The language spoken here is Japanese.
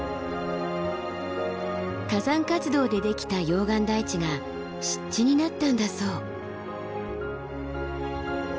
火山活動でできた溶岩台地が湿地になったんだそう。